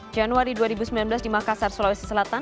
januari dua ribu sembilan belas di makassar sulawesi selatan